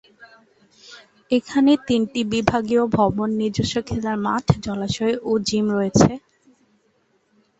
এখানে তিনটি বিভাগীয় ভবন, নিজস্ব খেলার মাঠ, জলাশয় ও জিম রয়েছে।